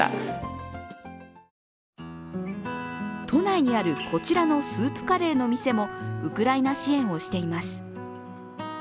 都内にあるこちらのスープカレーの店もウクライナ支援をしています。